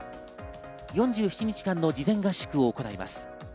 ４７日間の事前合宿を行います。